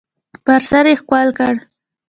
پر سر یې ښکل کړ .